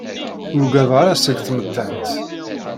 Ur ugadeɣ ara seg tmettant.